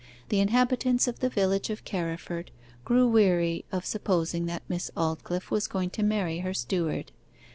The inhabitants of the village of Carriford grew weary of supposing that Miss Aldclyffe was going to marry her steward.